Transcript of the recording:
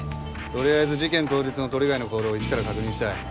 とりあえず事件当日の鳥飼の行動をいちから確認したい。